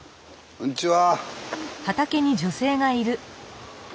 こんにちは。